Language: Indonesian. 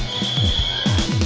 tujuh dua bulan